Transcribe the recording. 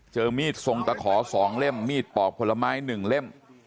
เจอมีดทรงตะขอ๒เล่มมีดปอกผลไม้๑เล่ม